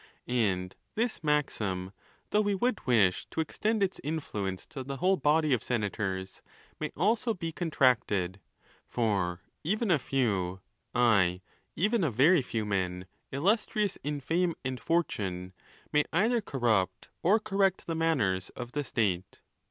_ And this maxim, though we would wish to extend its influ 476 ON THE LAWS. ence to the whole body of senators, may also be contracted. For even a few, aye, even a very few men, illustrious in fame and fortune, may either corrupt or correct the manners of the state.